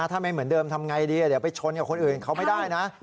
ถ้าไม่เหมือนเดิมทำไงดีเดี๋ยวไปชนกับคนอื่นเขาไม่ได้นะ